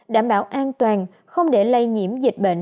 đảm bảo an toàn không để lây nhiễm dịch bệnh